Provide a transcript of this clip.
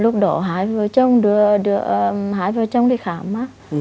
không lúc đó hải vừa chồng đi khám á